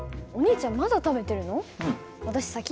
お兄ちゃんまだ食べてるの？